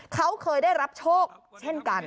เขาเคยได้รับโชคเช่นกัน